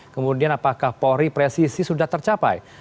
kemudian apakah polri presisi sudah tercapai